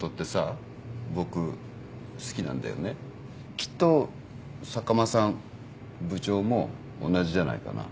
きっと坂間さん部長も同じじゃないかな。